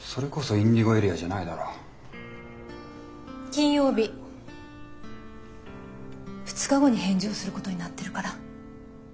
金曜日２日後に返事をすることになってるから。